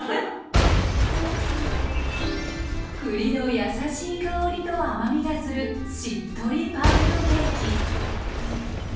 栗のやさしい香りと甘みがするしっとりパウンドケーキ。